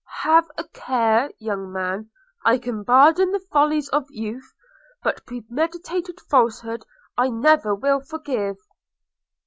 'Have a care, young man – I can pardon the follies of youth, but premeditated falsehood I never will forgive.'